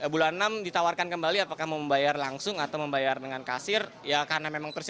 bulan enam ditawarkan kembali apakah mau membayar langsung atau membayar dengan kasir